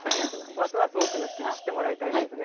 ますます、多くの人に知ってもらいたいですね。